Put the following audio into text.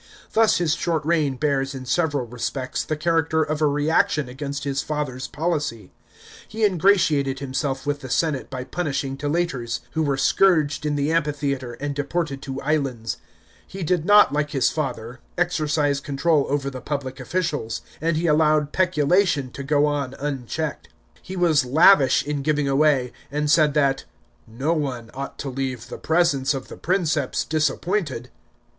Thus his short reign bears in several respects the character of a reaction against his father's policy. He ingratiated 382 THE FLAVIAN EMPERORS. CHAP. xxi. himself with the senate by punishing delators, who were scourged in the amphitheatre and deported to islands. He did not, like his father, exercise control over the public officials, and he, allowed peculation to go on unchecked. He was lavish in giving away, and said that " no one ought to leave the presence ot the Princeps disappointed."